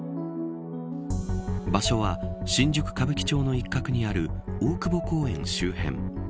場所は新宿、歌舞伎町の一角にある大久保公園周辺。